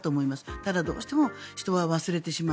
ただ、どうしても人は忘れてしまう。